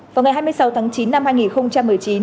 vào ngày hai mươi sáu tháng chín năm hai nghìn một mươi chín